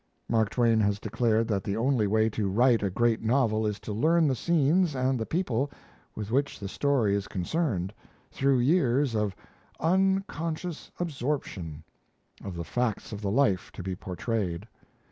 Mark Twain has declared that the only way to write a great novel is to learn the scenes and people with which the story is concerned, through years of "unconscious absorption" of the facts of the life to be portrayed.